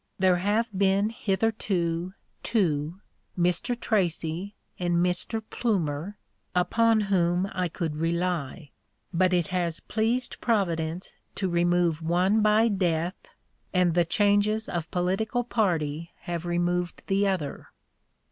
There have been hitherto two, Mr. Tracey and Mr. Plumer, upon whom I could rely, but it has pleased Providence to remove one by death, and the changes of political party have removed the other."